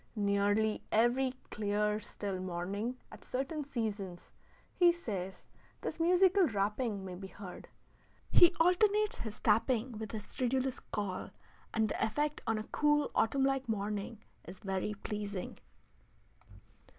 Nearly every clear, still morning at certain seasons, he says, this musical rapping may be heard. "He alternates his tapping with his stridulous call, and the effect on a cool, autumn like morning is very pleasing."